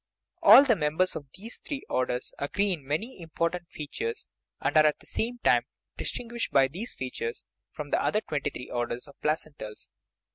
All the members of these three orders agree in many important features, and are at the same time distinguished by these features from the other twenty three orders of placentals.